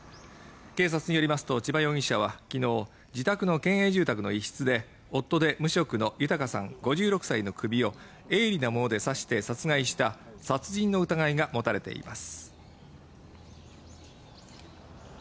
警察によりますとチバ容疑者は、きのうの自宅の県営住宅の一室で、夫で無職の豊さん５６歳の首を鋭利なもので刺して殺害した殺人の疑いが持たれています。